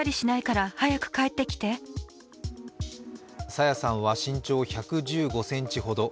朝芽さんは身長１１５ｃｍほど。